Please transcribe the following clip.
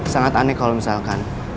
sangat aneh kalau misalkan